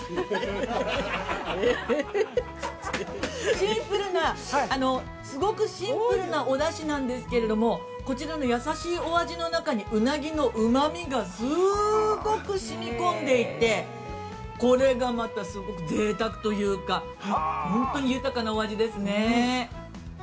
シンプルな、すごくシンプルなおだしなんですけれども、こちらの優しいお味の中にうなぎのうまみがすごくしみこんでいて、これがまた、すごくぜいたくというか、本当に豊かなお味ですね。